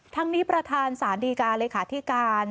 ทั้งนี้ประธานสารดีการเลขาธิการ